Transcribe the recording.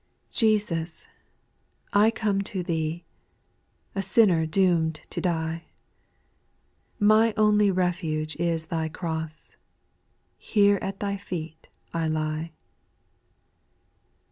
TESUS, I come to Thee, el A sinner doom'd to die ; My only refuge is Thy cross, Here at Thy feet I lie.